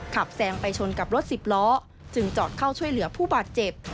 แซงไปชนกับรถสิบล้อจึงจอดเข้าช่วยเหลือผู้บาดเจ็บ